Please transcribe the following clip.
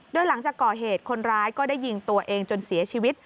โดยหลังจากก่อเหตุคนร้ายก็ได้ยิงตัวเองจนเสียชีวิต